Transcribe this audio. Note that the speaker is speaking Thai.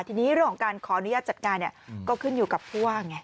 ทีนี้เรื่องของการขออนุญาตจัดงานก็ขึ้นอยู่กับผู้ว่าไง